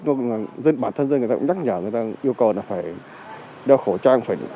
nhưng mà bản thân dân cũng nhắc nhở người ta yêu cầu là phải đeo khẩu trang